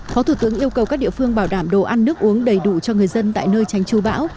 phó thủ tướng yêu cầu các địa phương bảo đảm đồ ăn nước uống đầy đủ cho người dân tại nơi tránh chú bão